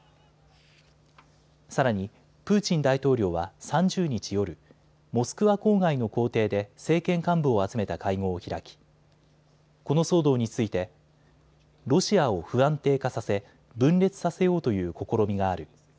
さらにプーチン大統領は３０日夜、モスクワ郊外の公邸で政権幹部を集めた会合を開きこの騒動についてロシアを不安定化させ分裂させようという試みがある。